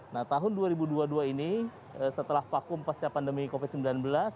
nah tahun dua ribu dua puluh dua ini setelah vakum pasca pandemi covid sembilan belas